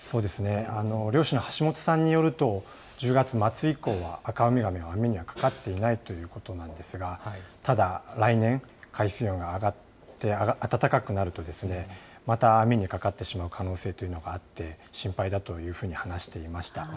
漁師の橋本さんによると、１０月末以降は、アカウミガメは網にはかかっていないということなのですが、ただ来年、海水温が上がって暖かくなると、また網にかかってしまう可能性というのがあって、心配だというふうに話していました。